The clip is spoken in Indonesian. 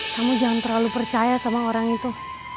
kamu jangan terlalu percaya sama orang itu